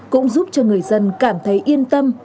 cũng giúp cho người dân cảm thấy yên tâm